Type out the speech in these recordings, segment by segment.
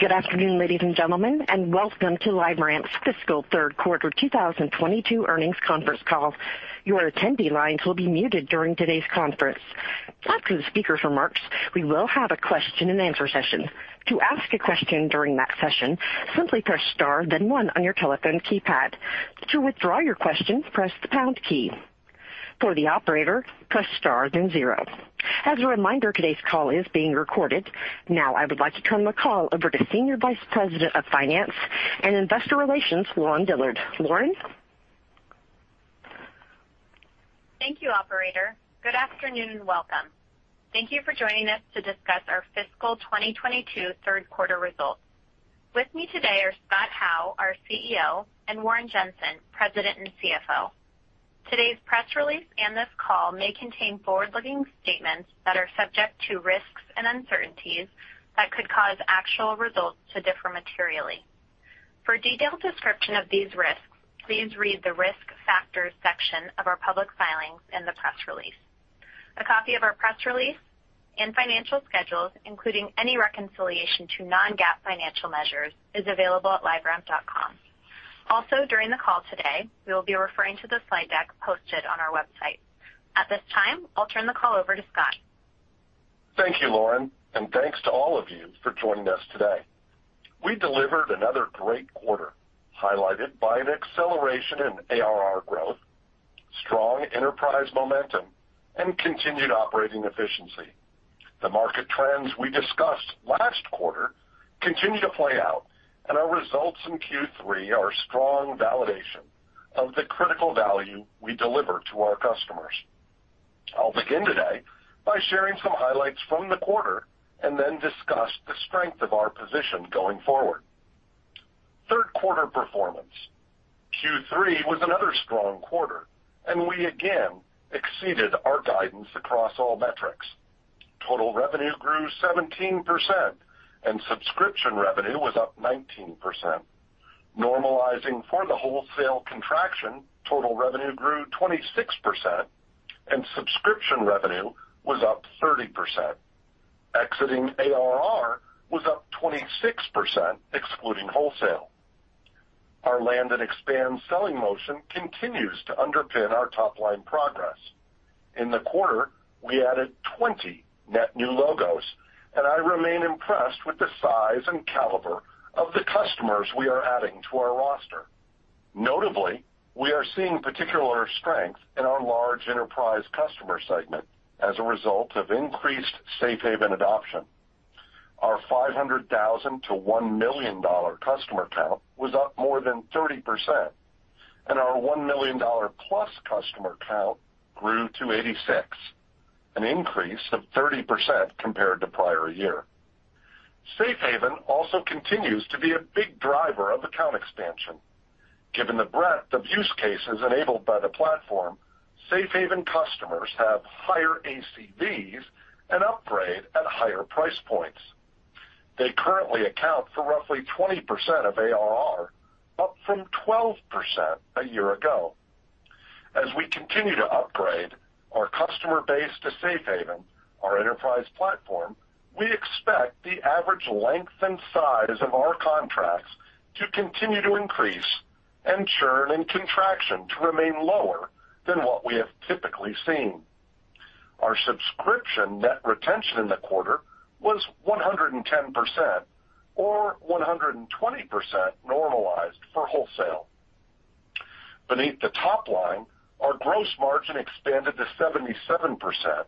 Good afternoon, ladies and gentlemen, and welcome to LiveRamp's Fiscal Third Quarter 2022 Earnings Conference Call. Your attendee lines will be muted during today's conference. After the speaker's remarks, we will have a question-and-answer session. To ask a question during that session, simply press Star, then one on your telephone keypad. To withdraw your question, press the pound key. For the operator, press Star, then zero. As a reminder, today's call is being recorded. Now I would like to turn the call over to Senior Vice President of Finance and Investor Relations, Lauren Dillard. Lauren? Thank you, operator. Good afternoon and welcome. Thank you for joining us to discuss our fiscal 2022 third quarter results. With me today are Scott Howe, our CEO, and Warren Jenson, President and CFO. Today's press release and this call may contain forward-looking statements that are subject to risks and uncertainties that could cause actual results to differ materially. For a detailed description of these risks, please read the Risk Factors section of our public filings and the press release. A copy of our press release and financial schedules, including any reconciliation to non-GAAP financial measures, is available at liveramp.com. Also, during the call today, we will be referring to the slide deck posted on our website. At this time, I'll turn the call over to Scott. Thank you, Lauren, and thanks to all of you for joining us today. We delivered another great quarter, highlighted by an acceleration in ARR growth, strong enterprise momentum, and continued operating efficiency. The market trends we discussed last quarter continue to play out, and our results in Q3 are a strong validation of the critical value we deliver to our customers. I'll begin today by sharing some highlights from the quarter and then discuss the strength of our position going forward. Third quarter performance. Q3 was another strong quarter, and we again exceeded our guidance across all metrics. Total revenue grew 17%, and subscription revenue was up 19%. Normalizing for the wholesale contraction, total revenue grew 26%, and subscription revenue was up 30%. Exiting ARR was up 26%, excluding wholesale. Our land and expand selling motion continues to underpin our top-line progress. In the quarter, we added 20 net new logos, and I remain impressed with the size and caliber of the customers we are adding to our roster. Notably, we are seeing particular strength in our large enterprise customer segment as a result of increased Safe Haven adoption. Our $500,000-$1 million customer count was up more than 30%, and our $1 million+ customer count grew to 86, an increase of 30% compared to prior year. Safe Haven also continues to be a big driver of account expansion. Given the breadth of use cases enabled by the platform, Safe Haven customers have higher ACVs and upgrade at higher price points. They currently account for roughly 20% of ARR, up from 12% a year ago. As we continue to upgrade our customer base to Safe Haven, our enterprise platform, we expect the average length and size of our contracts to continue to increase and churn and contraction to remain lower than what we have typically seen. Our subscription net retention in the quarter was 110%, or 120% normalized for wholesale. Beneath the top line, our gross margin expanded to 77%,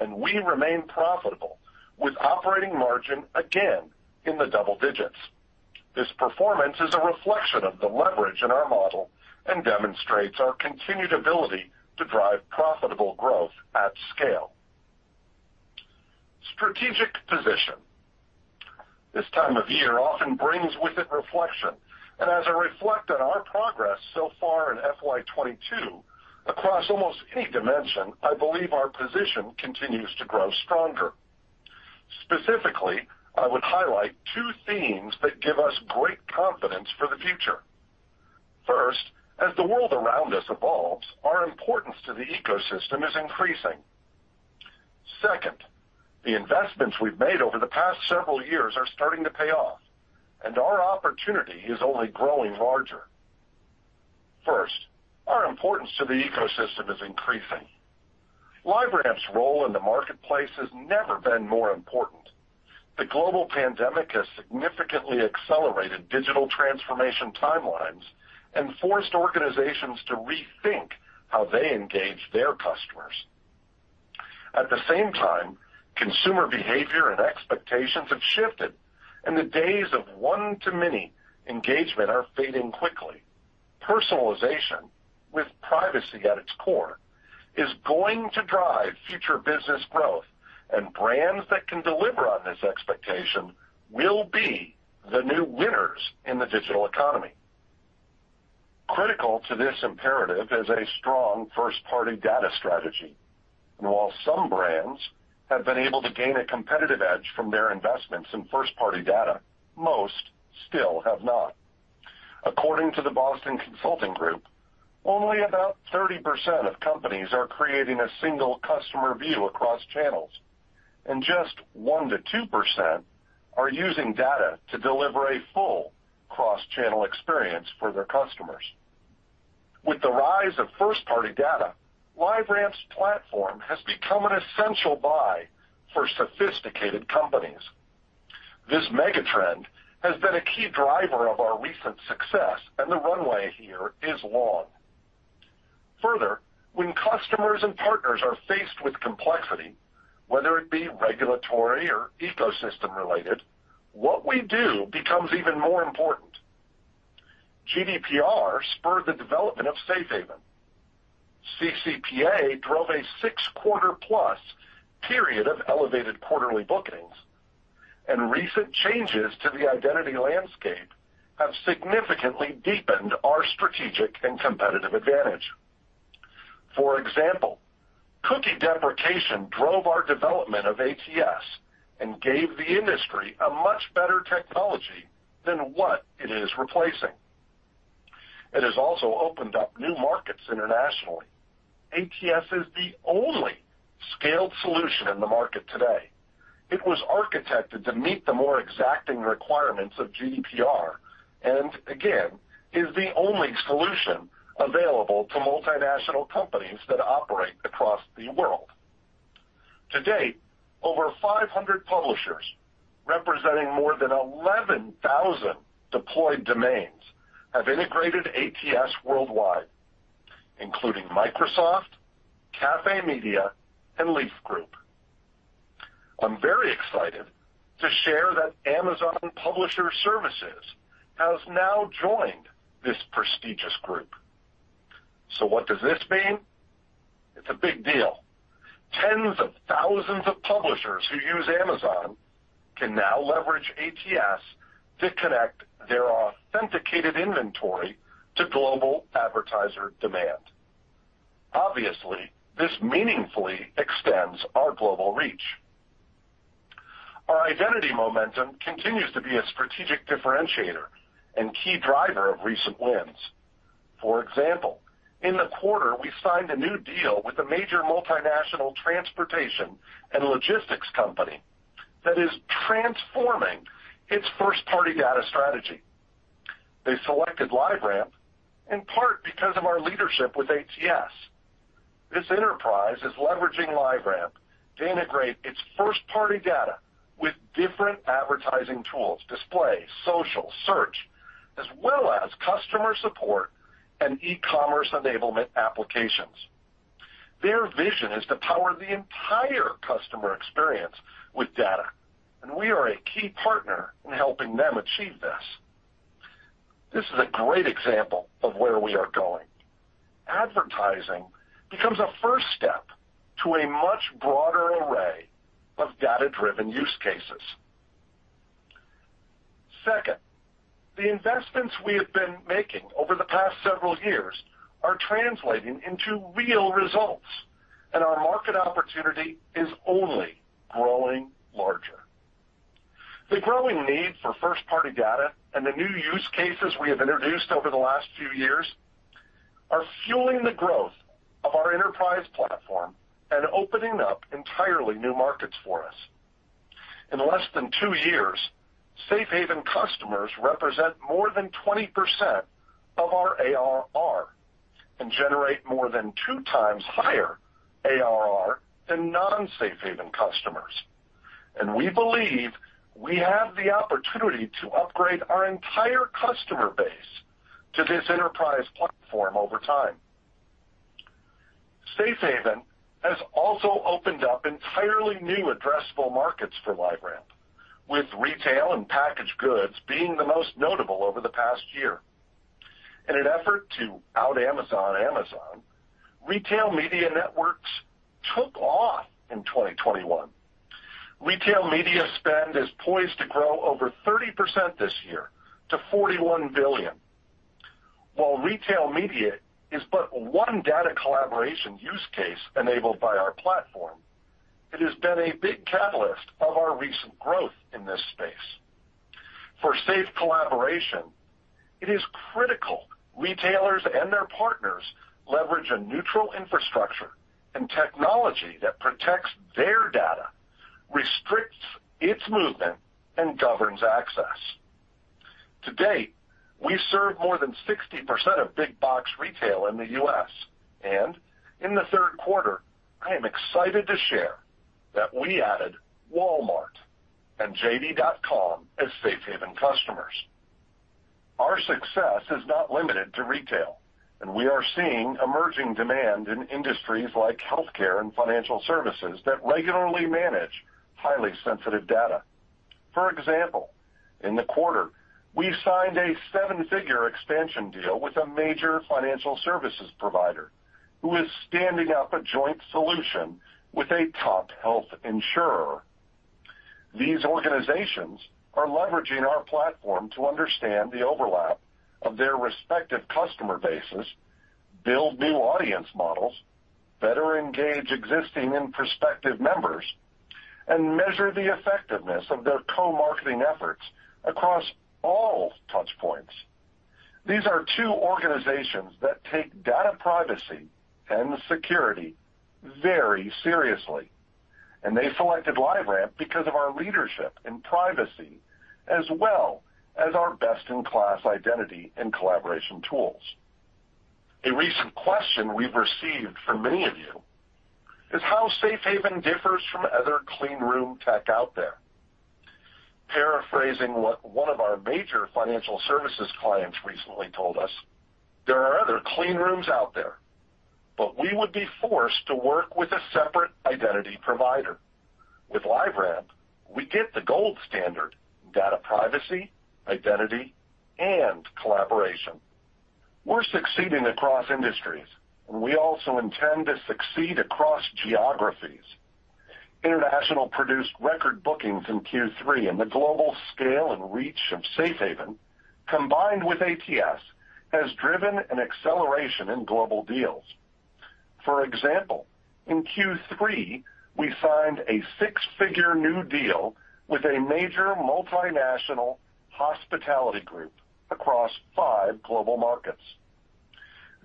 and we remain profitable with operating margin again in the double digits. This performance is a reflection of the leverage in our model and demonstrates our continued ability to drive profitable growth at scale. Strategic position. This time of year often brings with it reflection, and as I reflect on our progress so far in FY 2022, across almost any dimension, I believe our position continues to grow stronger. Specifically, I would highlight two themes that give us great confidence for the future. First, as the world around us evolves, our importance to the ecosystem is increasing. Second, the investments we've made over the past several years are starting to pay off, and our opportunity is only growing larger. First, our importance to the ecosystem is increasing. LiveRamp's role in the marketplace has never been more important. The global pandemic has significantly accelerated digital transformation timelines and forced organizations to rethink how they engage their customers. At the same time, consumer behavior and expectations have shifted, and the days of one-to-many engagement are fading quickly. Personalization with privacy at its core is going to drive future business growth, and brands that can deliver on this expectation will be the new winners in the digital economy. Critical to this imperative is a strong first-party data strategy. While some brands have been able to gain a competitive edge from their investments in first-party data, most still have not. According to the Boston Consulting Group, only about 30% of companies are creating a single customer view across channels, and just 1%-2% are using data to deliver a full cross-channel experience for their customers. With the rise of first-party data, LiveRamp's platform has become an essential buy for sophisticated companies. This megatrend has been a key driver of our recent success, and the runway here is long. Further, when customers and partners are faced with complexity, whether it be regulatory or ecosystem-related, what we do becomes even more important. GDPR spurred the development of Safe Haven. CCPA drove a six-quarter-plus period of elevated quarterly bookings. Recent changes to the identity landscape have significantly deepened our strategic and competitive advantage. For example, cookie deprecation drove our development of ATS and gave the industry a much better technology than what it is replacing. It has also opened up new markets internationally. ATS is the only scaled solution in the market today. It was architected to meet the more exacting requirements of GDPR, and again, is the only solution available to multinational companies that operate across the world. To date, over 500 publishers representing more than 11,000 deployed domains have integrated ATS worldwide, including Microsoft, CafeMedia, and Leaf Group. I'm very excited to share that Amazon Publisher Services has now joined this prestigious group. What does this mean? It's a big deal. Tens of thousands of publishers who use Amazon can now leverage ATS to connect their authenticated inventory to global advertiser demand. Obviously, this meaningfully extends our global reach. Our identity momentum continues to be a strategic differentiator and key driver of recent wins. For example, in the quarter, we signed a new deal with a major multinational transportation and logistics company that is transforming its first-party data strategy. They selected LiveRamp in part because of our leadership with ATS. This enterprise is leveraging LiveRamp to integrate its first-party data with different advertising tools, display, social, search, as well as customer support and e-commerce enablement applications. Their vision is to power the entire customer experience with data, and we are a key partner in helping them achieve this. This is a great example of where we are going. Advertising becomes a first step to a much broader array of data-driven use cases. Second, the investments we have been making over the past several years are translating into real results, and our market opportunity is only growing larger. The growing need for first-party data and the new use cases we have introduced over the last few years are fueling the growth of our enterprise platform and opening up entirely new markets for us. In less than two years, Safe Haven customers represent more than 20% of our ARR and generate more than two times higher ARR than non-Safe Haven customers. We believe we have the opportunity to upgrade our entire customer base to this enterprise platform over time. Safe Haven has also opened up entirely new addressable markets for LiveRamp, with retail and packaged goods being the most notable over the past year. In an effort to out-Amazon Amazon, retail media networks took off in 2021. Retail media spend is poised to grow over 30% this year to $41 billion. While retail media is but one data collaboration use case enabled by our platform, it has been a big catalyst of our recent growth in this space. For safe collaboration, it is critical retailers and their partners leverage a neutral infrastructure and technology that protects their data, restricts its movement, and governs access. To date, we serve more than 60% of big box retail in the U.S., and in the third quarter, I am excited to share that we added Walmart and JD.com as Safe Haven customers. Our success is not limited to retail, and we are seeing emerging demand in industries like healthcare and financial services that regularly manage highly sensitive data. For example, in the quarter, we signed a seven-figure expansion deal with a major financial services provider who is standing up a joint solution with a top health insurer. These organizations are leveraging our platform to understand the overlap of their respective customer bases, build new audience models, better engage existing and prospective members and measure the effectiveness of their co-marketing efforts across all touchpoints. These are two organizations that take data privacy and security very seriously, and they selected LiveRamp because of our leadership in privacy, as well as our best-in-class identity and collaboration tools. A recent question we've received from many of you is how Safe Haven differs from other clean room tech out there. Paraphrasing what one of our major financial services clients recently told us, "There are other clean rooms out there, but we would be forced to work with a separate identity provider. With LiveRamp, we get the gold standard, data privacy, identity, and collaboration." We're succeeding across industries, and we also intend to succeed across geographies. International produced record bookings in Q3, and the global scale and reach of Safe Haven, combined with ATS, has driven an acceleration in global deals. For example, in Q3, we signed a six-figure new deal with a major multinational hospitality group across five global markets.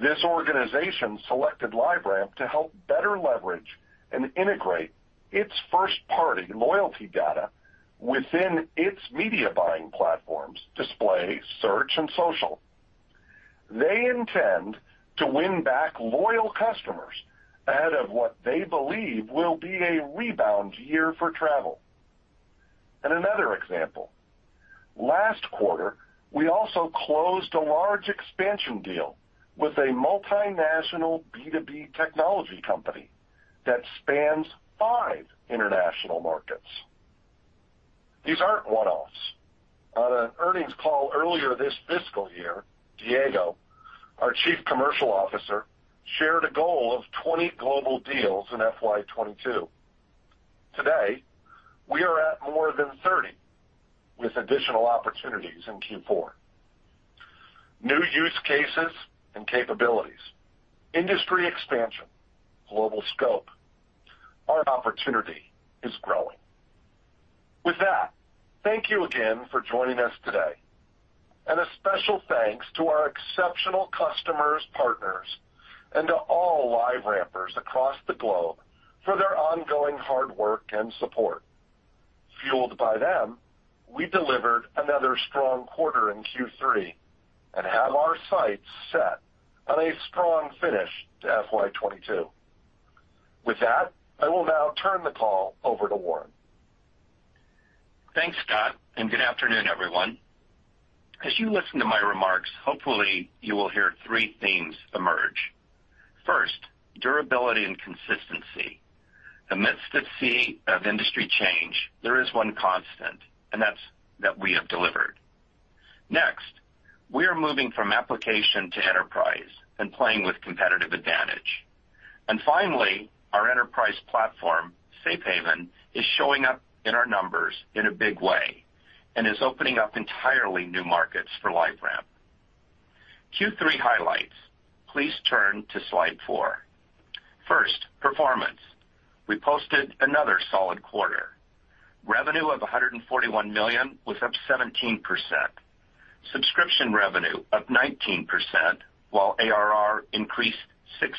This organization selected LiveRamp to help better leverage and integrate its first-party loyalty data within its media buying platforms, display, search, and social. They intend to win back loyal customers ahead of what they believe will be a rebound year for travel. Another example, last quarter, we also closed a large expansion deal with a multinational B2B technology company that spans five international markets. These aren't one-offs. On an earnings call earlier this fiscal year, Diego, our Chief Commercial Officer, shared a goal of 20 global deals in FY 2022. Today, we are at more than 30, with additional opportunities in Q4. New use cases and capabilities, industry expansion, global scope. Our opportunity is growing. With that, thank you again for joining us today. A special thanks to our exceptional customers, partners, and to all LiveRampers across the globe for their ongoing hard work and support. Fueled by them, we delivered another strong quarter in Q3 and have our sights set on a strong finish to FY 2022. With that, I will now turn the call over to Warren. Thanks, Scott, and good afternoon, everyone. As you listen to my remarks, hopefully you will hear three themes emerge. First, durability and consistency. Amidst the sea of industry change, there is one constant, and that's that we have delivered. Next, we are moving from application to enterprise and playing with competitive advantage. Finally, our enterprise platform, Safe Haven, is showing up in our numbers in a big way and is opening up entirely new markets for LiveRamp. Q3 highlights. Please turn to slide four. First, performance. We posted another solid quarter. Revenue of $141 million was up 17%. Subscription revenue up 19%, while ARR increased 16%.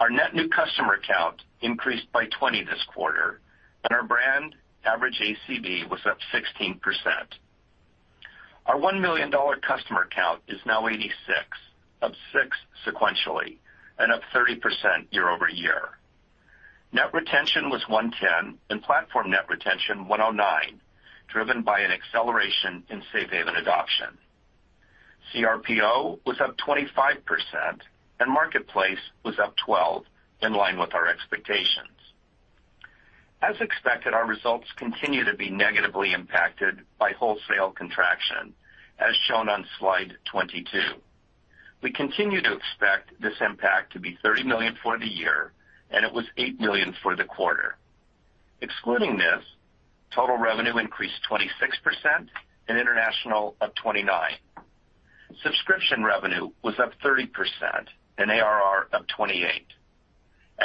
Our net new customer count increased by 20 this quarter, and our brand average ACV was up 16%. Our $1 million customer count is now 86, up 6% sequentially and up 30% year-over-year. Net retention was 110, and platform net retention, 109, driven by an acceleration in Safe Haven adoption. CRPO was up 25%, and Marketplace was up 12%, in line with our expectations. As expected, our results continue to be negatively impacted by wholesale contraction, as shown on slide 22. We continue to expect this impact to be $30 million for the year, and it was $8 million for the quarter. Excluding this, total revenue increased 26% and international up 29%. Subscription revenue was up 30% and ARR up 28%.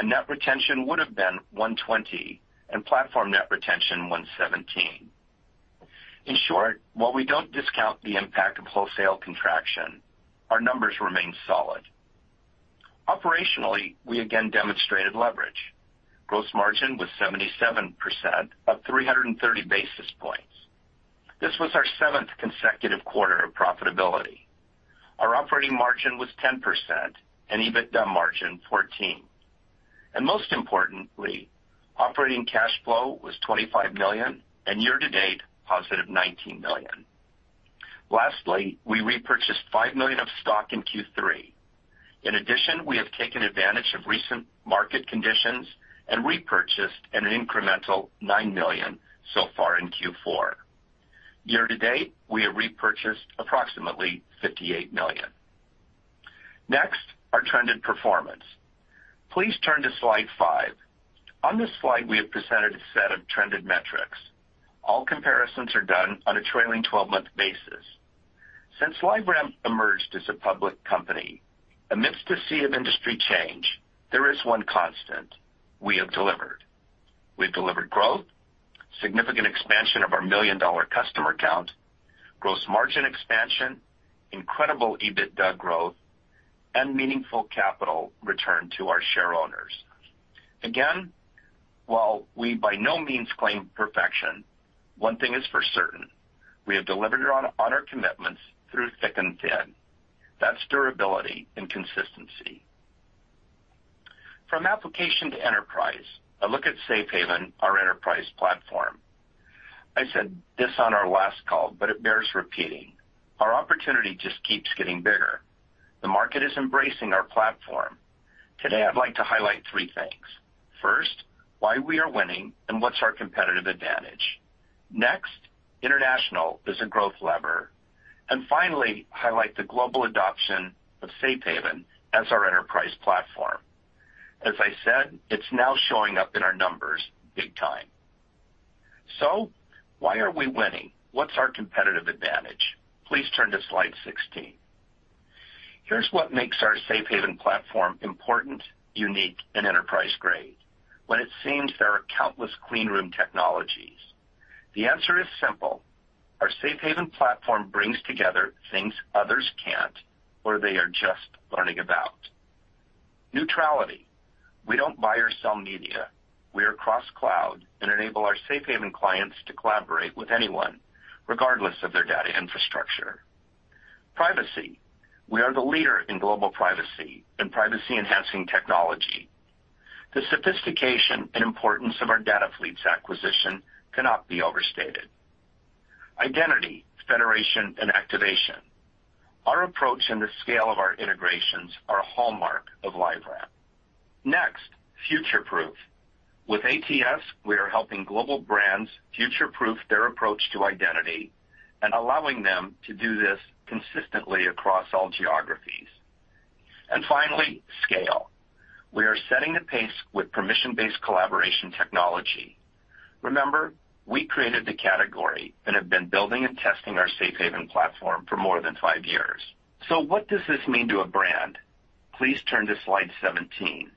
Net retention would've been 120, and platform net retention, 117. In short, while we don't discount the impact of wholesale contraction, our numbers remain solid. Operationally, we again demonstrated leverage. Gross margin was 77%, up 330 basis points. This was our seventh consecutive quarter of profitability. Our operating margin was 10% and EBITDA margin 14%. Most importantly, operating cash flow was $25 million and year to date, positive $19 million. Lastly, we repurchased $5 million of stock in Q3. In addition, we have taken advantage of recent market conditions and repurchased an incremental $9 million so far in Q4. Year to date, we have repurchased approximately $58 million. Next, our trended performance. Please turn to slide five. On this slide, we have presented a set of trended metrics. All comparisons are done on a trailing 12-month basis. Since LiveRamp emerged as a public company amidst a sea of industry change, there is one constant we have delivered. We've delivered growth, significant expansion of our million-dollar customer count, gross margin expansion, incredible EBITDA growth, and meaningful capital return to our shareowners. Again, while we by no means claim perfection, one thing is for certain, we have delivered on our commitments through thick and thin. That's durability and consistency. From application to enterprise, a look at Safe Haven, our enterprise platform. I said this on our last call, but it bears repeating. Our opportunity just keeps getting bigger. The market is embracing our platform. Today, I'd like to highlight three things. First, why we are winning and what's our competitive advantage. Next, international as a growth lever. Finally, highlight the global adoption of Safe Haven as our enterprise platform. As I said, it's now showing up in our numbers big time. Why are we winning? What's our competitive advantage? Please turn to slide 16. Here's what makes our Safe Haven platform important, unique, and enterprise-grade. When it seems there are countless clean room technologies, the answer is simple. Our Safe Haven platform brings together things others can't or they are just learning about. Neutrality. We don't buy or sell media. We are cross-cloud and enable our Safe Haven clients to collaborate with anyone, regardless of their data infrastructure. Privacy. We are the leader in global privacy and privacy-enhancing technology. The sophistication and importance of our DataFleets acquisition cannot be overstated. Identity, federation, and activation. Our approach and the scale of our integrations are a hallmark of LiveRamp. Next, future-proof. With ATS, we are helping global brands future-proof their approach to identity and allowing them to do this consistently across all geographies. Finally, scale. We are setting the pace with permission-based collaboration technology. Remember, we created the category and have been building and testing our Safe Haven platform for more than five years. What does this mean to a brand? Please turn to slide 17.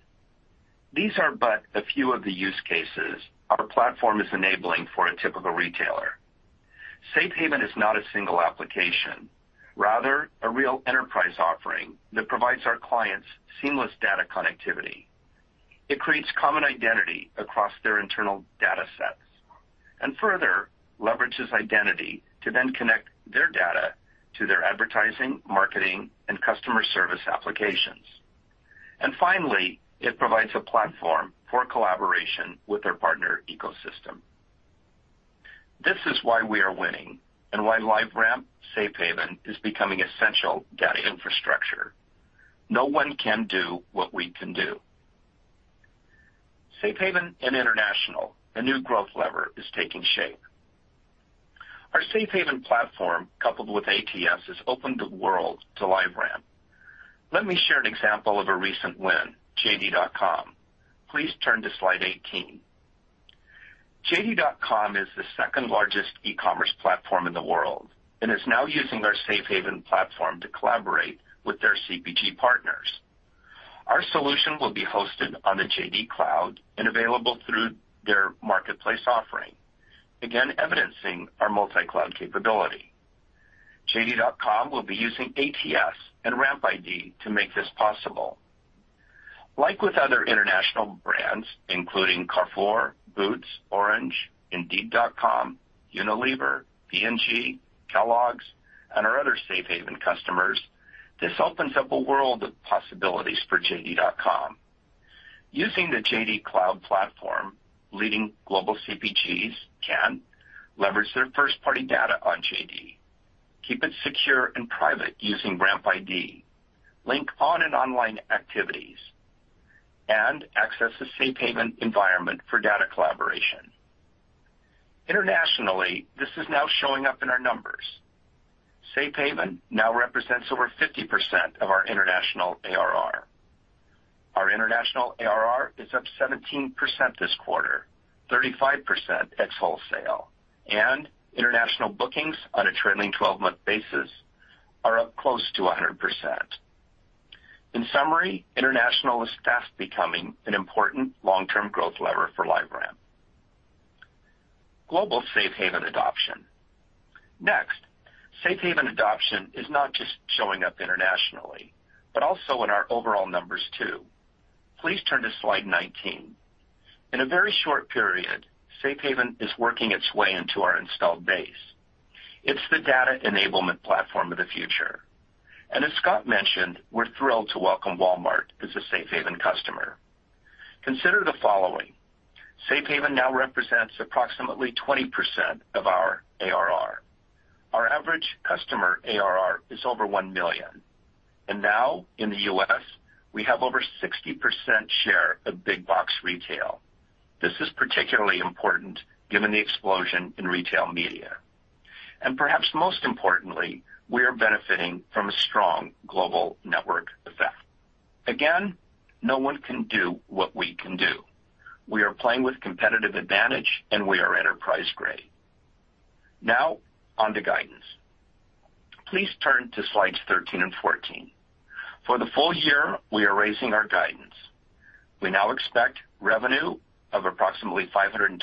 These are but a few of the use cases our platform is enabling for a typical retailer. Safe Haven is not a single application, rather, a real enterprise offering that provides our clients seamless data connectivity. It creates common identity across their internal datasets, and further leverages identity to then connect their data to their advertising, marketing, and customer service applications. Finally, it provides a platform for collaboration with their partner ecosystem. This is why we are winning and why LiveRamp Safe Haven is becoming essential data infrastructure. No one can do what we can do. Safe Haven and international, a new growth lever is taking shape. Our Safe Haven platform, coupled with ATS, has opened the world to LiveRamp. Let me share an example of a recent win, JD.com. Please turn to slide 18. JD.com is the second largest e-commerce platform in the world and is now using our Safe Haven platform to collaborate with their CPG partners. Our solution will be hosted on the JD Cloud and available through their marketplace offering, again, evidencing our multi-cloud capability. JD.com will be using ATS and RampID to make this possible. Like with other international brands, including Carrefour, Boots, Orange, indeed.com, Unilever, P&G, Kellogg's, and our other Safe Haven customers, this opens up a world of possibilities for JD.com. Using the JD Cloud platform, leading global CPGs can leverage their first-party data on JD, keep it secure and private using RampID, link online and offline activities, and access the Safe Haven environment for data collaboration. Internationally, this is now showing up in our numbers. Safe Haven now represents over 50% of our international ARR. Our international ARR is up 17% this quarter, 35% ex-wholesale, and international bookings on a trailing 12-month basis are up close to 100%. In summary, international is fast becoming an important long-term growth lever for LiveRamp. Global Safe Haven adoption. Next, Safe Haven adoption is not just showing up internationally, but also in our overall numbers too. Please turn to slide 19. In a very short period, Safe Haven is working its way into our installed base. It's the data enablement platform of the future. As Scott mentioned, we're thrilled to welcome Walmart as a Safe Haven customer. Consider the following. Safe Haven now represents approximately 20% of our ARR. Our average customer ARR is over $1 million. Now in the US, we have over 60% share of big box retail. This is particularly important given the explosion in retail media. Perhaps most importantly, we are benefiting from a strong global network effect. Again, no one can do what we can do. We are playing with competitive advantage, and we are enterprise-grade. Now on to guidance. Please turn to slides 13 and 14. For the full year, we are raising our guidance. We now expect revenue of approximately $526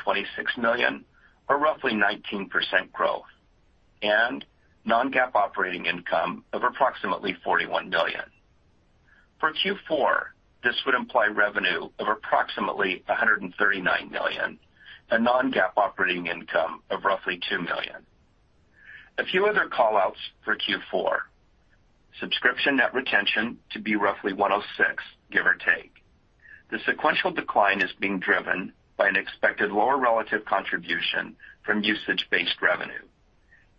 million, or roughly 19% growth, and non-GAAP operating income of approximately $41 million. For Q4, this would imply revenue of approximately $139 million, a non-GAAP operating income of roughly $2 million. A few other call-outs for Q4. Subscription net retention to be roughly 106, give or take. The sequential decline is being driven by an expected lower relative contribution from usage-based revenue.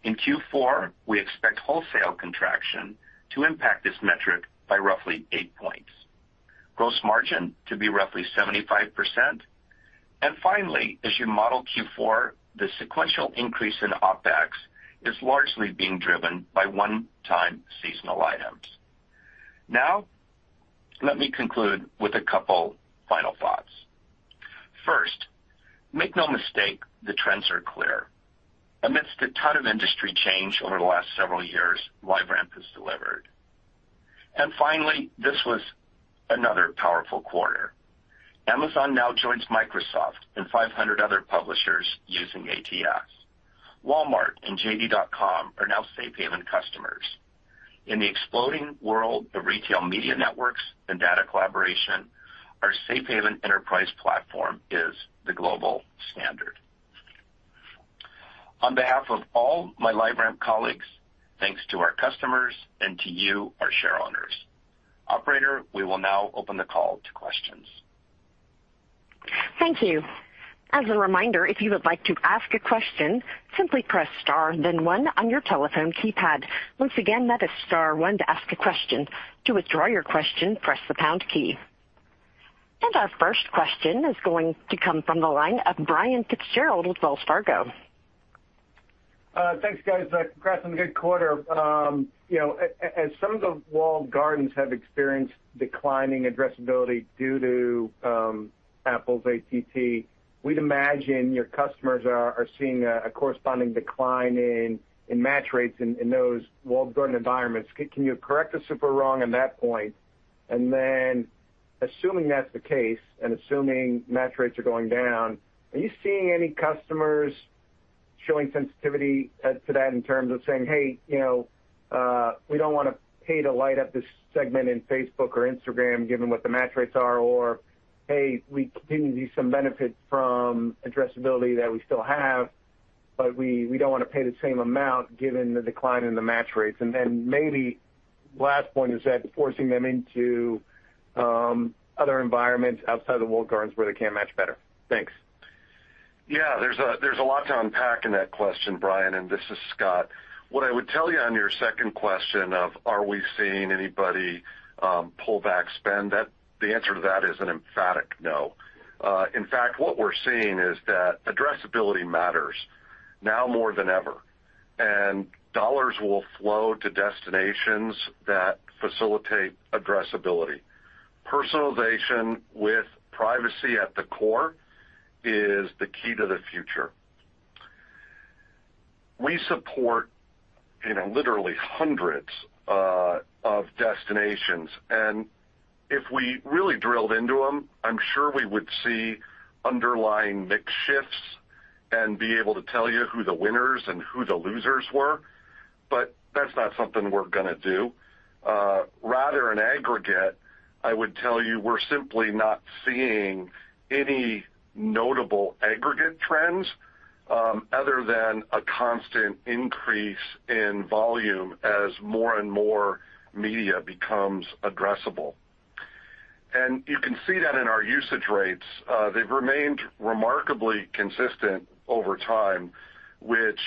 In Q4, we expect wholesale contraction to impact this metric by roughly eight points. Gross margin to be roughly 75%. Finally, as you model Q4, the sequential increase in OpEx is largely being driven by one-time seasonal items. Now let me conclude with a couple final thoughts. First, make no mistake, the trends are clear. Amidst a ton of industry change over the last several years, LiveRamp has delivered. Finally, this was another powerful quarter. Amazon now joins Microsoft and 500 other publishers using ATS. Walmart and JD.com are now Safe Haven customers. In the exploding world of retail media networks and data collaboration, our Safe Haven enterprise platform is the global standard. On behalf of all my LiveRamp colleagues, thanks to our customers and to you, our shareowners. Operator, we will now open the call to questions. Thank you. As a reminder, if you would like to ask a question, simply press star then one on your telephone keypad. Once again, that is star one to ask a question. To withdraw your question, press the pound key. Our first question is going to come from the line of Brian Fitzgerald with Wells Fargo. Thanks, guys. Congrats on the good quarter. You know, as some of the walled gardens have experienced declining addressability due to Apple's ATT, we'd imagine your customers are seeing a corresponding decline in match rates in those walled garden environments. Can you correct us if we're wrong on that point? Then assuming that's the case and assuming match rates are going down, are you seeing any customers showing sensitivity to that in terms of saying, "Hey, you know, we don't want to pay to light up this segment in Facebook or Instagram given what the match rates are," or, "Hey, we continue to see some benefit from addressability that we still have, but we don't want to pay the same amount given the decline in the match rates"? Maybe last point is that forcing them into other environments outside of the walled gardens where they can't match better? Thanks. Yeah, there's a lot to unpack in that question, Brian, and this is Scott. What I would tell you on your second question of are we seeing anybody pull back spend, the answer to that is an emphatic no. In fact, what we're seeing is that addressability matters now more than ever, and dollars will flow to destinations that facilitate addressability. Personalization with privacy at the core is the key to the future. We support, you know, literally hundreds of destinations, and if we really drilled into them, I'm sure we would see underlying mix shifts and be able to tell you who the winners and who the losers were, but that's not something we're going to do. Rather in aggregate, I would tell you we're simply not seeing any notable aggregate trends, other than a constant increase in volume as more and more media becomes addressable. You can see that in our usage rates. They've remained remarkably consistent over time, which,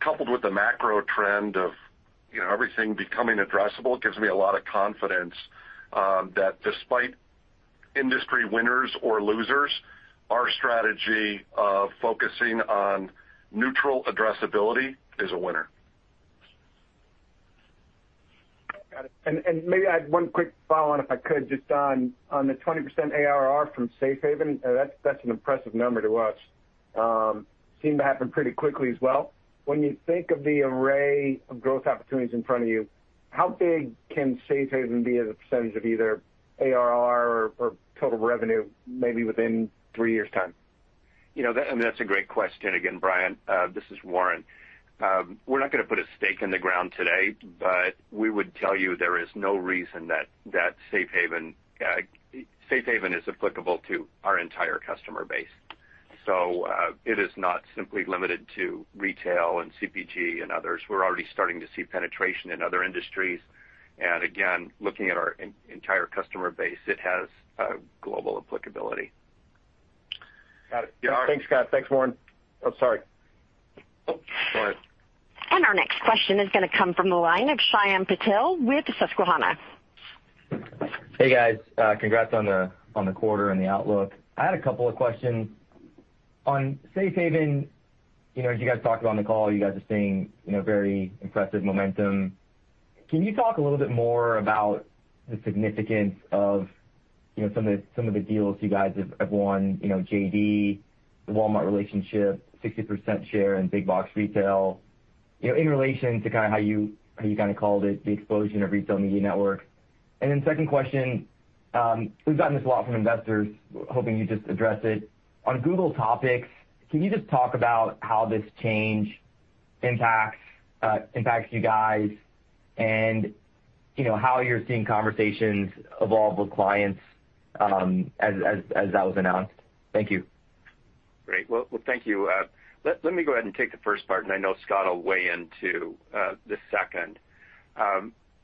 coupled with the macro trend of, you know, everything becoming addressable, gives me a lot of confidence that despite industry winners or losers, our strategy of focusing on neutral addressability is a winner. Got it. Maybe I had one quick follow-on, if I could, just on the 20% ARR from Safe Haven. That's an impressive number to us. It seemed to happen pretty quickly as well. When you think of the array of growth opportunities in front of you, how big can Safe Haven be as a percentage of either ARR or total revenue maybe within three years' time? You know, that I mean, that's a great question again, Brian. This is Warren. We're not going to put a stake in the ground today, but we would tell you there is no reason that Safe Haven is applicable to our entire customer base. It is not simply limited to retail and CPG and others. We're already starting to see penetration in other industries. Again, looking at our entire customer base, it has a global applicability. Got it. Yeah. Thanks, Scott. Thanks, Warren. Oh, sorry. Oh, sorry. Our next question is going to come from the line of Shyam Patil with Susquehanna. Hey, guys. Congrats on the quarter and the outlook. I had a couple of questions on Safe Haven. You know, as you guys talked about on the call, you guys are seeing, you know, very impressive momentum. Can you talk a little bit more about the significance of, you know, some of the deals you guys have won, you know, JD, the Walmart relationship, 60% share in big box retail, you know, in relation to kind of how you called it the explosion of retail media network. Second question, we've gotten this a lot from investors, hoping you just address it. On Topics API, can you just talk about how this change impacts you guys and you know, how you're seeing conversations evolve with clients as that was announced? Thank you. Great. Well, thank you. Let me go ahead and take the first part, and I know Scott will weigh in on the second.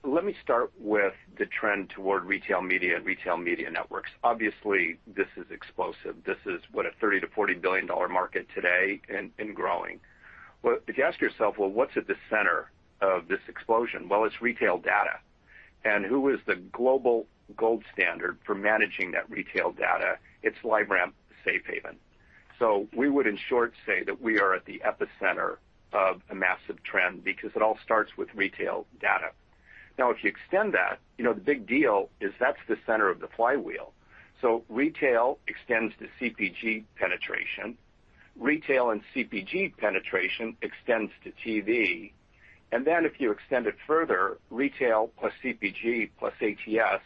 Let me start with the trend toward retail media and retail media networks. Obviously, this is explosive. This is, what? A $30 billion-$40 billion market today and growing. Well, if you ask yourself, what's at the center of this explosion? Well, it's retail data. And who is the global gold standard for managing that retail data? It's LiveRamp Safe Haven. We would in short say that we are at the epicenter of a massive trend because it all starts with retail data. Now, if you extend that, you know, the big deal is that's the center of the flywheel. Retail extends to CPG penetration. Retail and CPG penetration extends to TV. If you extend it further, retail plus CPG plus ATS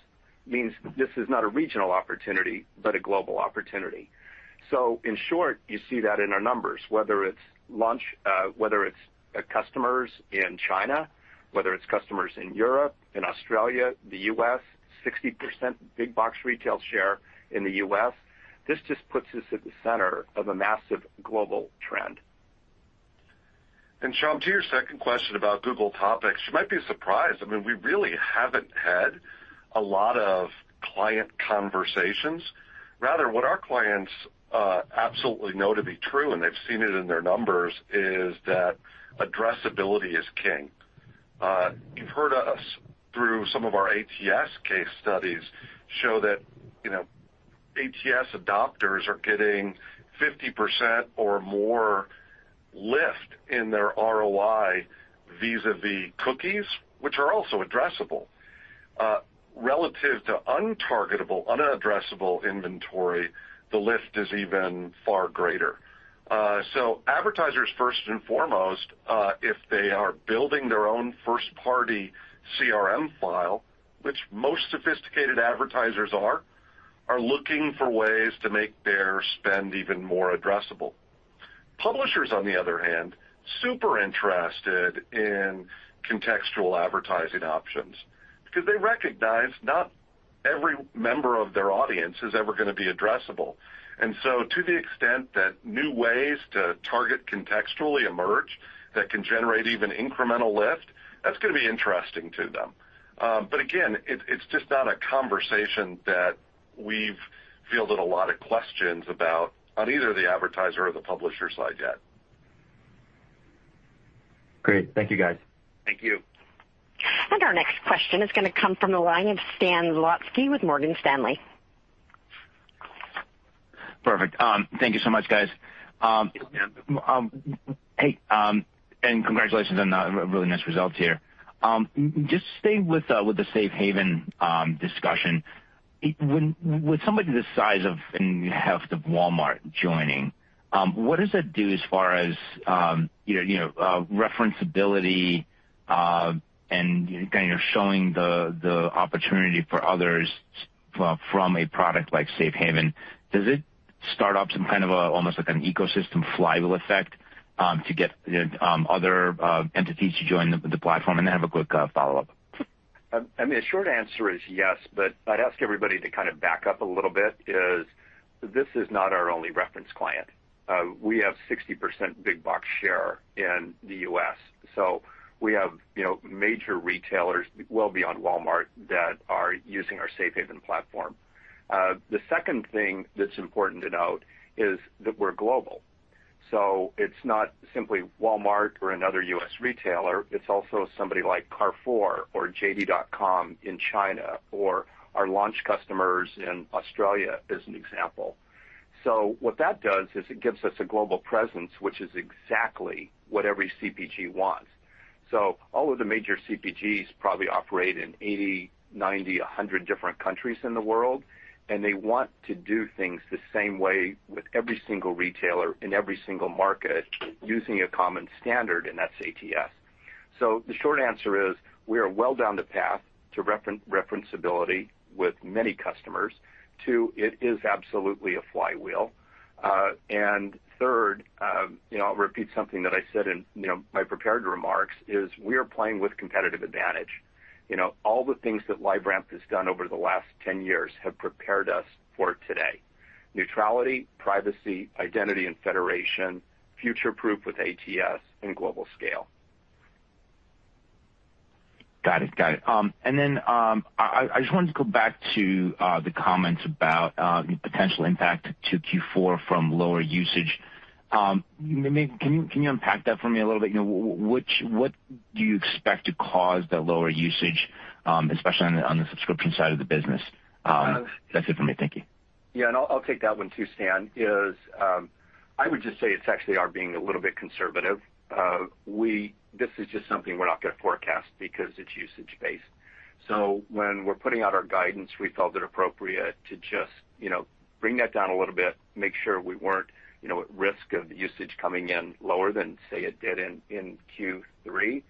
means this is not a regional opportunity but a global opportunity. In short, you see that in our numbers, whether it's launch, whether it's customers in China, whether it's customers in Europe, in Australia, the U.S., 60% big box retail share in the U.S. This just puts us at the center of a massive global trend. Shyam, to your second question about Topics API, you might be surprised. I mean, we really haven't had a lot of client conversations. Rather, what our clients absolutely know to be true, and they've seen it in their numbers, is that addressability is king. You've heard us through some of our ATS case studies show that, you know, ATS adopters are getting 50% or more lift in their ROI vis-a-vis cookies, which are also addressable. Relative to untargetable, unaddressable inventory, the lift is even far greater. So advertisers first and foremost, if they are building their own first party CRM file, which most sophisticated advertisers are looking for ways to make their spend even more addressable. Publishers on the other hand, super interested in contextual advertising options because they recognize not every member of their audience is ever going to be addressable. To the extent that new ways to target contextually emerge that can generate even incremental lift, that's going to be interesting to them. Again, it's just not a conversation that we've fielded a lot of questions about on either the advertiser or the publisher side yet. Great. Thank you, guys. Thank you. Our next question is going to come from the line of Stan Zlotsky with Morgan Stanley. Perfect. Thank you so much, guys. Hey, and congratulations on the really nice results here. Just staying with the Safe Haven discussion, with somebody the size of and heft of Walmart joining, what does that do as far as you know referenceability and kind of showing the opportunity for others from a product like Safe Haven? Does it start up some kind of a almost like an ecosystem flywheel effect to get other entities to join the platform? I have a quick follow-up. I mean, the short answer is yes, but I'd ask everybody to kind of back up a little bit. This is not our only reference client. We have 60% big box share in the U.S., so we have, you know, major retailers well beyond Walmart that are using our Safe Haven platform. The second thing that's important to note is that we're global. It's not simply Walmart or another U.S. retailer, it's also somebody like Carrefour or JD.com in China or our launch customers in Australia, as an example. What that does is it gives us a global presence, which is exactly what every CPG wants. All of the major CPGs probably operate in 80, 90, 100 different countries in the world, and they want to do things the same way with every single retailer in every single market using a common standard, and that's ATS. The short answer is we are well down the path to addressability with many customers. Two, it is absolutely a flywheel. And third, you know, I'll repeat something that I said in, you know, my prepared remarks is we are playing with competitive advantage. You know, all the things that LiveRamp has done over the last 10 years have prepared us for today. Neutrality, privacy, identity and federation, future-proof with ATS and global scale. Got it. I just wanted to go back to the comments about potential impact to Q4 from lower usage. Maybe can you unpack that for me a little bit? You know, what do you expect to cause the lower usage, especially on the subscription side of the business? That's it for me. Thank you. Yeah. I'll take that one too, Stan. I would just say it's actually our being a little bit conservative. This is just something we're not going to forecast because it's usage-based. When we're putting out our guidance, we felt it appropriate to just, you know, bring that down a little bit, make sure we weren't, you know, at risk of usage coming in lower than, say, it did in Q3.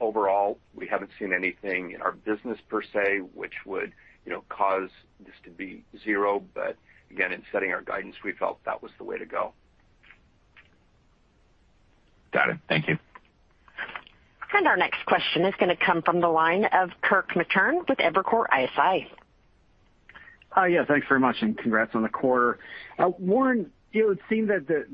Overall, we haven't seen anything in our business per se, which would, you know, cause this to be zero. Again, in setting our guidance, we felt that was the way to go. Got it. Thank you. Our next question is going to come from the line of Kirk Materne with Evercore ISI. Yeah, thanks very much, and congrats on the quarter. Warren, you know, it seemed that the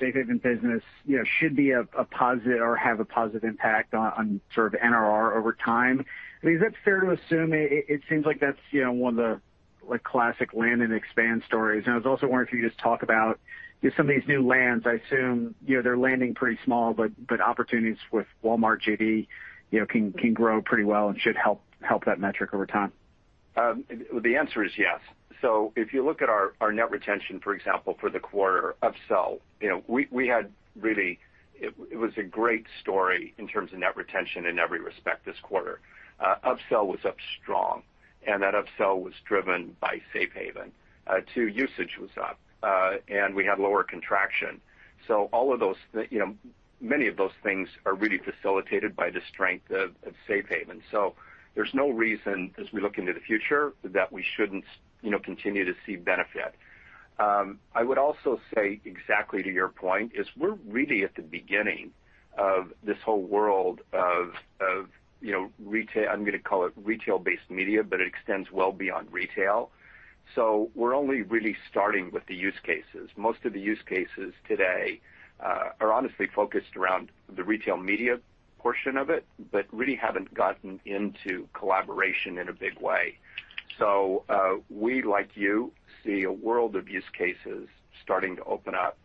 Safe Haven business, you know, should be a positive or have a positive impact on sort of NRR over time. I mean, is that fair to assume? It seems like that's, you know, one of the, like, classic land and expand stories. I was also wondering if you could just talk about, you know, some of these new lands. I assume, you know, they're landing pretty small, but opportunities with Walmart, JD, you know, can grow pretty well and should help that metric over time. The answer is yes. If you look at our net retention, for example, for the quarter, upsell, you know, we had really. It was a great story in terms of net retention in every respect this quarter. Upsell was up strong, and that upsell was driven by Safe Haven. Too, usage was up, and we had lower contraction. All of those, you know, many of those things are really facilitated by the strength of Safe Haven. There's no reason as we look into the future that we shouldn't, you know, continue to see benefit. I would also say exactly to your point is we're really at the beginning of this whole world of, you know, retail—I'm going to call it retail-based media, but it extends well beyond retail. We're only really starting with the use cases. Most of the use cases today are honestly focused around the retail media portion of it, but really haven't gotten into collaboration in a big way. We, like you, see a world of use cases starting to open up.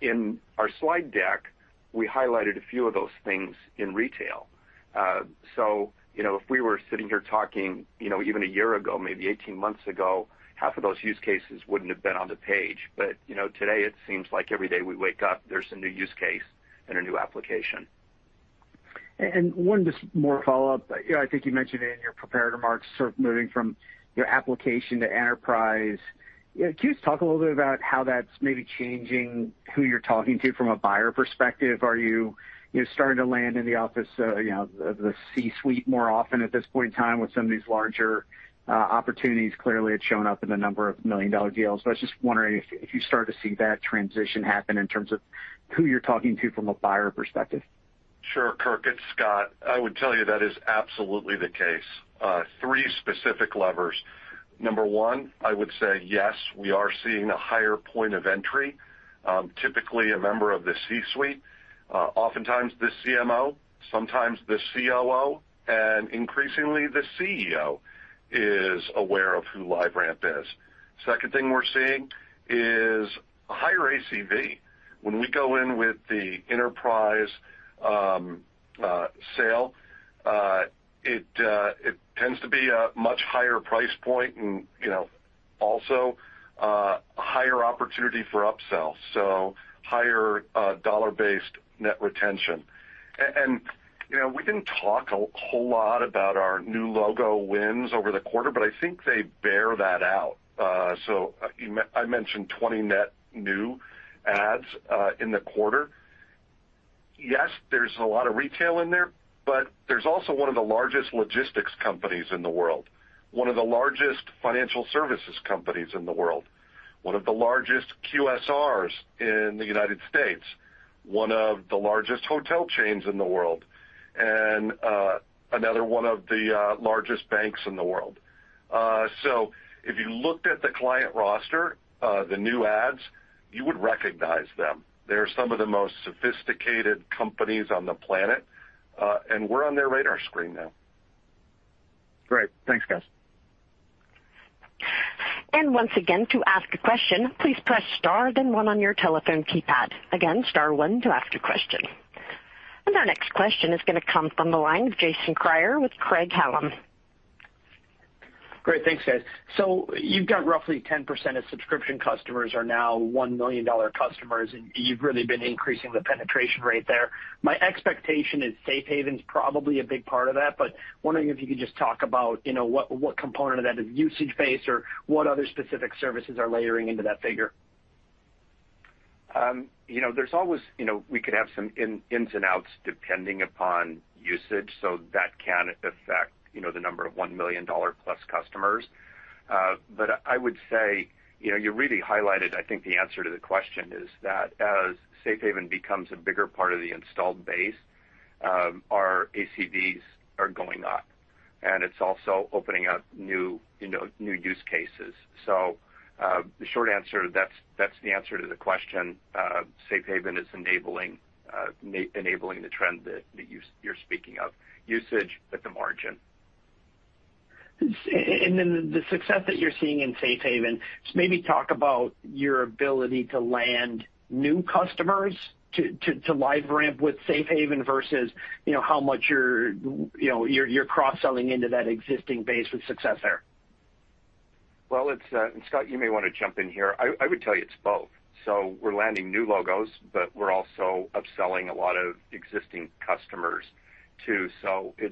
In our slide deck, we highlighted a few of those things in retail. You know, if we were sitting here talking, you know, even a year ago, maybe 18 months ago, half of those use cases wouldn't have been on the page. You know, today it seems like every day we wake up, there's a new use case and a new application. One just more follow-up. You know, I think you mentioned in your prepared remarks sort of moving from your application to enterprise. You know, can you just talk a little bit about how that's maybe changing who you're talking to from a buyer perspective? Are you know, starting to land in the office, you know, of the C-suite more often at this point in time with some of these larger opportunities? Clearly, it's shown up in a number of million-dollar deals, but I was just wondering if you start to see that transition happen in terms of who you're talking to from a buyer perspective. Sure, Kirk, it's Scott. I would tell you that is absolutely the case. Three specific levers. Number one, I would say yes, we are seeing a higher point of entry, typically a member of the C-suite, oftentimes the CMO, sometimes the COO, and increasingly the CEO is aware of who LiveRamp is. Second thing we're seeing is a higher ACV. When we go in with the enterprise sale, it tends to be a much higher price point and, you know, also a higher opportunity for upsell, so higher dollar-based net retention. You know, we didn't talk a whole lot about our new logo wins over the quarter, but I think they bear that out. I mentioned 20 net new adds in the quarter. Yes, there's a lot of retail in there, but there's also one of the largest logistics companies in the world, one of the largest financial services companies in the world, one of the largest QSRs in the United States, one of the largest hotel chains in the world, and another one of the largest banks in the world. So if you looked at the client roster, the new adds, you would recognize them. They're some of the most sophisticated companies on the planet, and we're on their radar screen now. Great. Thanks, guys. Once again, to ask a question, please press star then one on your telephone keypad. Again, star one to ask a question. Our next question is going to come from the line of Jason Kreyer with Craig-Hallum. Great. Thanks, guys. You've got roughly 10% of subscription customers are now $1 million customers, and you've really been increasing the penetration rate there. My expectation is Safe Haven's probably a big part of that, but wondering if you could just talk about, you know, what component of that is usage-based or what other specific services are layering into that figure. You know, there's always, you know, we could have some ins and outs depending upon usage, so that can affect, you know, the number of $1 million-plus customers. But I would say, you know, you really highlighted, I think, the answer to the question is that as Safe Haven becomes a bigger part of the installed base, our ACVs are going up, and it's also opening up new, you know, new use cases. The short answer, that's the answer to the question. Safe Haven is enabling the trend that you're speaking of, usage at the margin. The success that you're seeing in Safe Haven, just maybe talk about your ability to land new customers to LiveRamp with Safe Haven versus, you know, how much you're, you know, you're cross-selling into that existing base with success there. Well, it's. Scott, you may want to jump in here. I would tell you it's both. We're landing new logos, but we're also upselling a lot of existing customers too.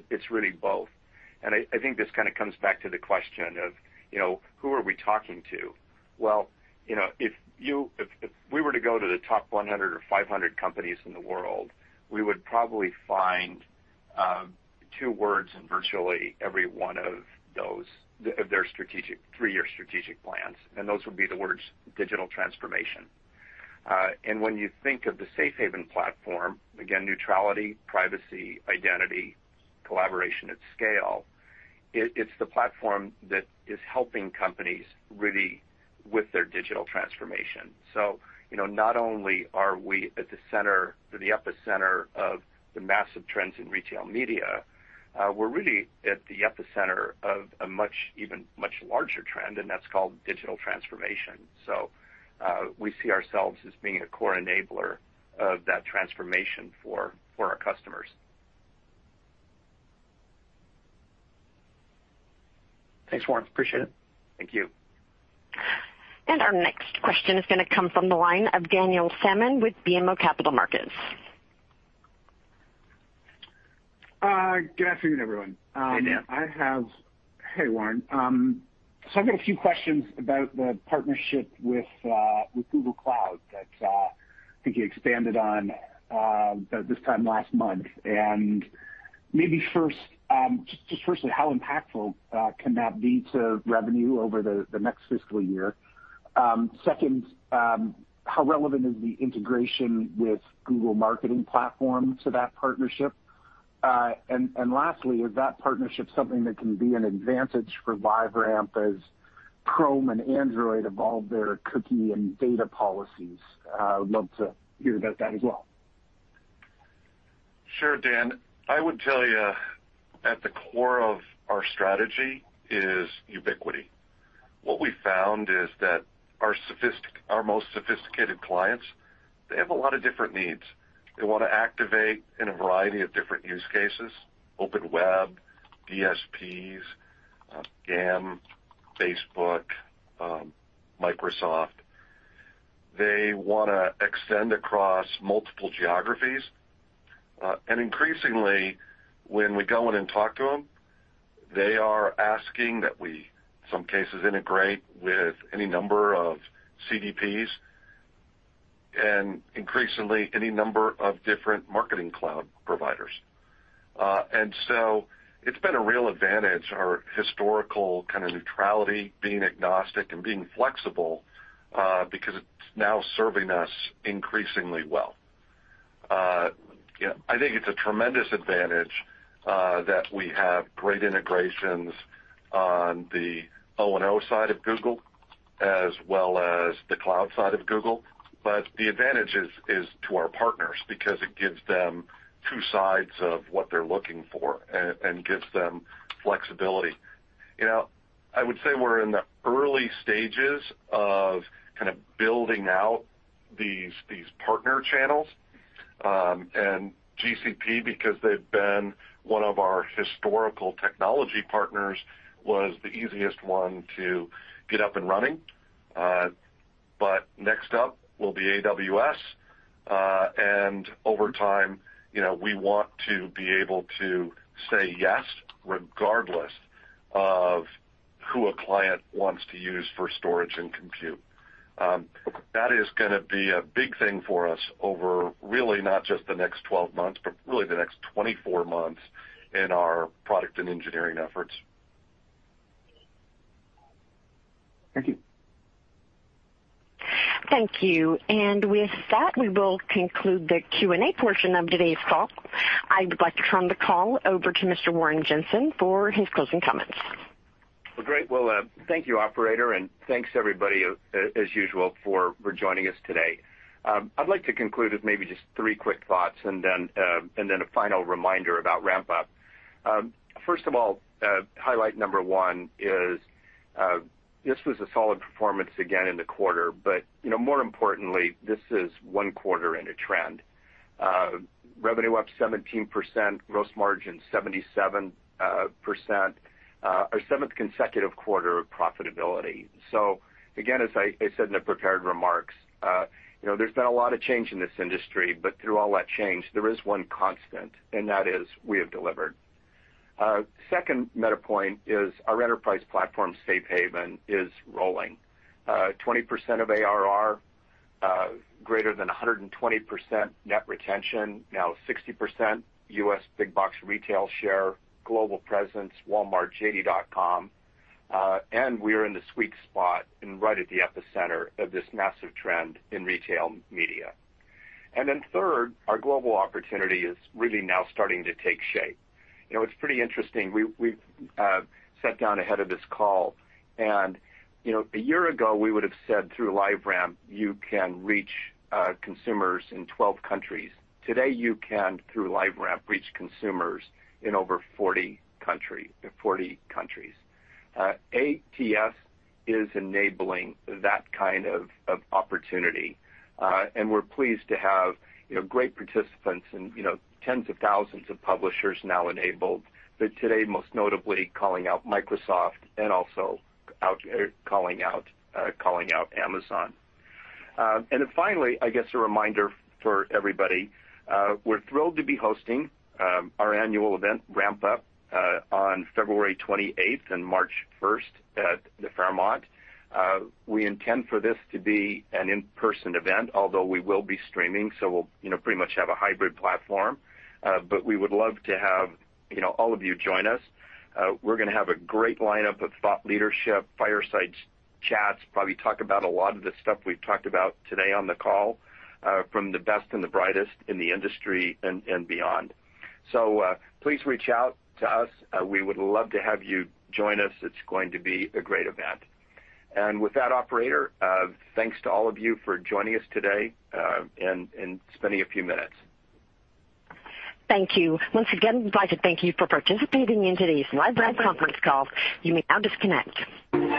It's really both. I think this kind of comes back to the question of, you know, who are we talking to? Well, you know, if we were to go to the top 100 or 500 companies in the world, we would probably find two words in virtually every one of those, of their strategic, three-year strategic plans, and those would be the words digital transformation. When you think of the Safe Haven platform, again, neutrality, privacy, identity, collaboration at scale, it's the platform that is helping companies really with their digital transformation. You know, not only are we at the center or the epicenter of the massive trends in retail media, we're really at the epicenter of a much even larger trend, and that's called digital transformation. We see ourselves as being a core enabler of that transformation for our customers. Thanks, Warren. I appreciate it. Thank you. Our next question is going to come from the line of Daniel Salmon with BMO Capital Markets. Good afternoon, everyone. Hey, Dan. Hey, Warren. So I've got a few questions about the partnership with Google Cloud that I think you expanded on this time last month. Maybe first, just firstly, how impactful can that be to revenue over the next fiscal year? Second, how relevant is the integration with Google Marketing Platform to that partnership? And lastly, is that partnership something that can be an advantage for LiveRamp as Chrome and Android evolve their cookie and data policies? I would love to hear about that as well. Sure, Dan. I would tell you, at the core of our strategy is ubiquity. What we found is that our most sophisticated clients, they have a lot of different needs. They want to activate in a variety of different use cases, open web, DSPs, GAM, Facebook, Microsoft. They want to extend across multiple geographies. Increasingly, when we go in and talk to them, they are asking that we, some cases, integrate with any number of CDPs and increasingly any number of different marketing cloud providers. It's been a real advantage, our historical kind of neutrality, being agnostic and being flexible, because it's now serving us increasingly well. You know, I think it's a tremendous advantage that we have great integrations on the O&O side of Google as well as the Cloud side of Google. The advantage is to our partners because it gives them two sides of what they're looking for and gives them flexibility. You know, I would say we're in the early stages of kind of building out these partner channels, and GCP, because they've been one of our historical technology partners, was the easiest one to get up and running. Next up will be AWS. And over time, you know, we want to be able to say yes regardless of who a client wants to use for storage and compute. That is going to be a big thing for us over really not just the next 12 months, but really the next 24 months in our product and engineering efforts. Thank you. Thank you. With that, we will conclude the Q&A portion of today's call. I would like to turn the call over to Mr. Warren Jenson for his closing comments. Great. Well, thank you, operator, and thanks everybody, as usual for joining us today. I'd like to conclude with maybe just three quick thoughts and then a final reminder about RampUp. First of all, highlight number one is this was a solid performance again in the quarter, but you know, more importantly, this is one quarter in a trend. Revenue up 17%, gross margin 77%, our seventh consecutive quarter of profitability. So again, as I said in the prepared remarks, you know, there's been a lot of change in this industry, but through all that change, there is one constant, and that is we have delivered. Second meta point is our enterprise platform, Safe Haven, is rolling. 20% of ARR, greater than 120% net retention, now 60% U.S. big box retail share, global presence, Walmart, JD.com, and we're in the sweet spot and right at the epicenter of this massive trend in retail media. Then third, our global opportunity is really now starting to take shape. You know, it's pretty interesting. We sat down ahead of this call, and, you know, a year ago, we would have said through LiveRamp, you can reach consumers in 12 countries. Today, you can, through LiveRamp, reach consumers in over 40 countries. ATS is enabling that kind of opportunity, and we're pleased to have, you know, great participants and, you know, tens of thousands of publishers now enabled, but today, most notably calling out Microsoft and also calling out Amazon. Finally, I guess a reminder for everybody, we're thrilled to be hosting our annual event RampUp on February 28th and March 1st at the Fairmont. We intend for this to be an in-person event, although we will be streaming, so we'll, you know, pretty much have a hybrid platform. We would love to have, you know, all of you join us. We're going to have a great lineup of thought leadership, fireside chats, probably talk about a lot of the stuff we've talked about today on the call, from the best and the brightest in the industry and beyond. Please reach out to us. We would love to have you join us. It's going to be a great event. With that, operator, thanks to all of you for joining us today, and spending a few minutes. Thank you. Once again, we'd like to thank you for participating in today's LiveRamp conference call. You may now disconnect.